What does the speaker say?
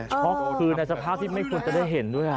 เพราะคือในสภาพที่ไม่ควรจะได้เห็นด้วย